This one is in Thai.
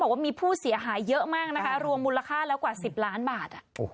บอกว่ามีผู้เสียหายเยอะมากนะคะรวมมูลค่าแล้วกว่า๑๐ล้านบาท